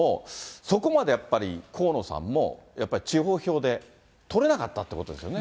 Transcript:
そこまでやっぱり、河野さんもやっぱり地方票で取れなかったってことですよね。